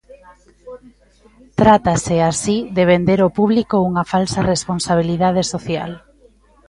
Trátase, así, de vender ao público unha falsa responsabilidade social.